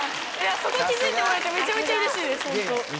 そこ気付いてもらえてめちゃめちゃうれしいです。